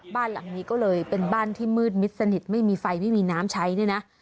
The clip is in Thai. บ้านหลังนี้ก็เลยเป็นบ้านที่มืดมิดสนิทไม่มีไฟไม่มีน้ำใช้เนี่ยนะ